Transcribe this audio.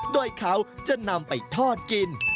โดยเขาจะนำไปทอดกิน